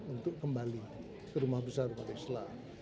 untuk kembali ke rumah besar rumah islah